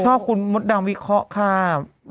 ชอบคุณมดดำวิเคราะห์ค่ะ